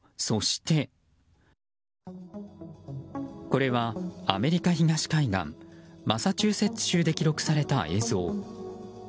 これはアメリカ東海岸マサチューセッツ州で記録された映像。